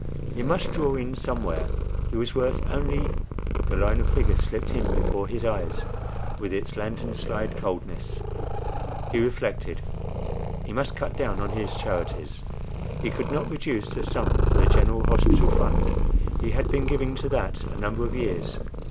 He must draw in somewhere: he was worth only—the line of figures slipped in before his eyes with its lantern slide coldness. He reflected. He must cut down on his charities. He could not reduce the sum for the General Hospital Fund; he had been giving to that a number of years.